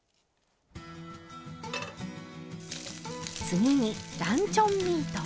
次にランチョンミート。